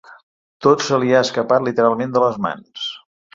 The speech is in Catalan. Tot se li ha escapat literalment de les mans.